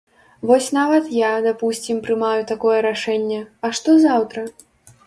Вось нават я, дапусцім, прымаю такое рашэнне, а што заўтра?